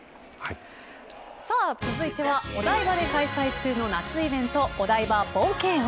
さあ続いてはお台場で開催中の夏イベント、お台場冒険王。